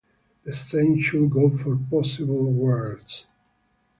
The same should go for possible worlds.